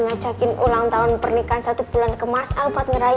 ngajakin ulang tahun pernikahan ke masal